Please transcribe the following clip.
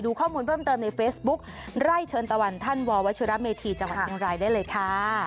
ข้อมูลเพิ่มเติมในเฟซบุ๊คไร่เชิญตะวันท่านววัชิระเมธีจังหวัดเชียงรายได้เลยค่ะ